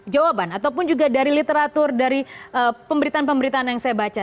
jawaban ataupun juga dari literatur dari pemberitaan pemberitaan yang saya baca